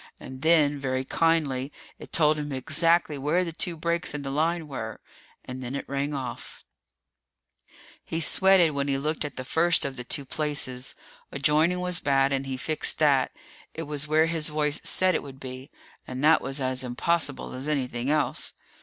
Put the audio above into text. And then, very kindly, it told him exactly where the two breaks in the line were. And then it rang off. He sweated when he looked at the first of the two places. A joining was bad and he fixed that. It was where his voice had said it would be. And that was as impossible as anything else.